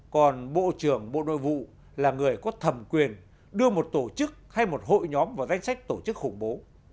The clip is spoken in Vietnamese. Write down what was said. còn bộ trưởng bộ nội vụ là người có thẩm quyền đưa một tổ chức hay một hội nhóm vào danh sách tổ chức khủng bố